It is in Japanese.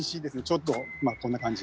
ちょっとこんな感じ。